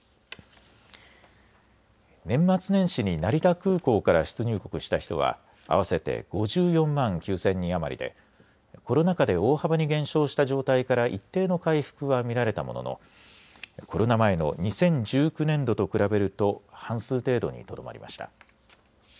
年末年始に成田空港から出入国した人は合わせて５４万９０００人余りでコロナ禍で大幅に減少した状態から一定の回復は見られたもののコロナ前の２０１９年度と比べると半数程度にとどまりました。